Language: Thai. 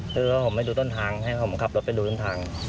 คือว่าผมไม่รู้ต้นทางให้ผมขับรถไปดูต้นทาง